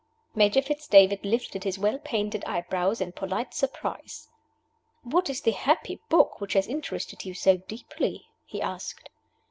Major Fitz David lifted his well painted eyebrows in polite surprise. "What is the happy book which has interested you so deeply?" he asked.